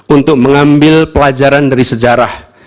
untuk mengambil pelajaran dari sejarah